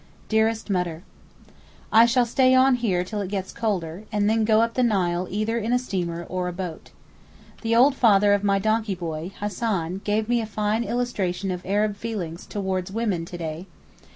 DEAREST MUTTER, I shall stay on here till it gets colder, and then go up the Nile either in a steamer or a boat. The old father of my donkey boy, Hassan, gave me a fine illustration of Arab feeling towards women to day.